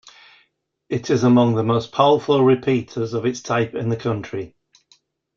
It is among the most powerful repeaters of its type in the country.